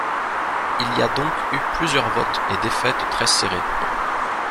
Il y a donc eu plusieurs votes et défaites très serrés.